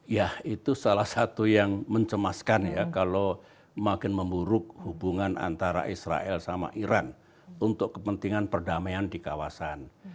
ya itu salah satu yang mencemaskan ya kalau makin memburuk hubungan antara israel sama iran untuk kepentingan perdamaian di kawasan